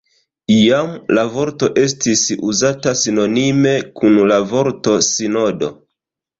Iam la vorto estis uzata sinonime kun la vorto sinodo.